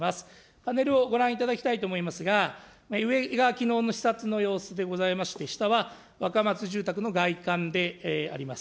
パネルをご覧いただきたいと思いますが、上がきのうの視察の様子でございまして、下は若松住宅の外観であります。